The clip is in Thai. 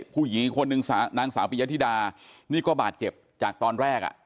ผู้หญิงอีกคนนึงนางสาวปิยธิดานี่ก็บาดเจ็บจากตอนแรกอ่ะ